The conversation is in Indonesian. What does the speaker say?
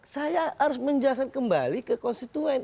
saya harus menjelaskan kembali ke konstituen